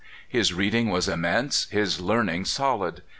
His reading was immense, his learning solid.